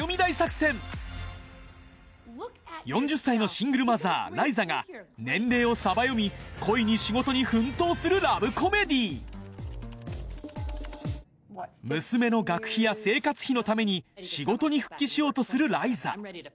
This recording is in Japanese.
４０歳のシングルマザーライザが年齢をサバヨミ恋に仕事に奮闘するラブコメディー娘の学費や生活費のために仕事に復帰しようとするライザ